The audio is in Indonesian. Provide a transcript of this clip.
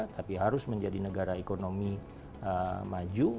tapi harus menjadi negara ekonomi maju